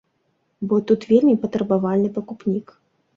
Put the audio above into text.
Бо тут вельмі патрабавальны пакупнік.